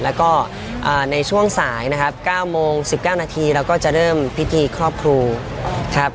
แล้วก็ในช่วงสายนะครับ๙โมง๑๙นาทีเราก็จะเริ่มพิธีครอบครูครับ